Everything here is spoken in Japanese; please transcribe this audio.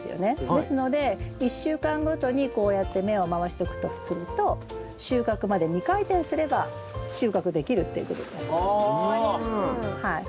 ですので１週間ごとにこうやって面を回していくとすると収穫まで２回転すれば収穫できるっていうことです。